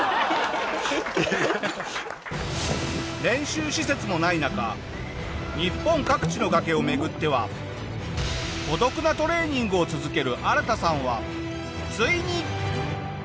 練習施設もない中日本各地の崖を巡っては孤独なトレーニングを続けるアラタさんはついに。